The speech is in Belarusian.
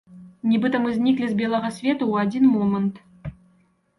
Нібыта мы зніклі з белага свету ў адзін момант!